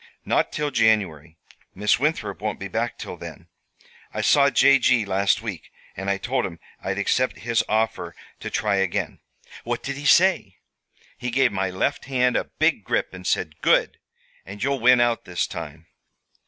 "Not till January. Miss Winthrop won't be back till then. I saw J. G. last week, and I told him I'd accept his offer to try again." "What did he say?" "He gave my left hand a big grip and said: 'Good! and you'll win out this time.'"